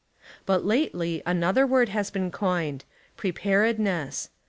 But lately another word has been coined — "preparedness".